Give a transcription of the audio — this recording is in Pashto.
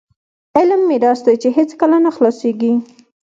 علم میراث دی چې هیڅکله نه خلاصیږي.